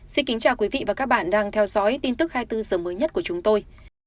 xin kính chào quý vị và các bạn đang theo dõi tin tức hai mươi bốn h mới nhất của chúng tôi